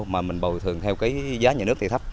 mà mình bồi thường theo cái giá nhà nước thì thấp